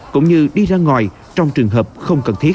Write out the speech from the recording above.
cũng như đi ra ngoài trong trường hợp không cần thiết